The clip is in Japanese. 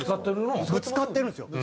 ぶつかってるんですよ。